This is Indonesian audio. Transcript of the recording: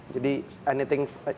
jadi anything fun